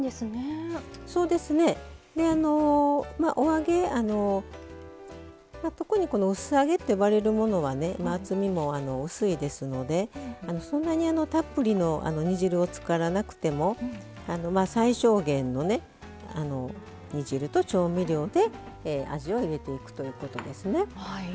あの特にこのうす揚げって呼ばれるものはね厚みも薄いですのでそんなにたっぷりの煮汁につからなくても最小限のね煮汁と調味料で味を入れていくということですね。